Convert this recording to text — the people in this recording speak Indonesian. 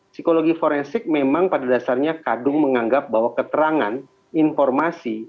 psikologi forensik memang pada dasarnya kadung menganggap bahwa keterangan informasi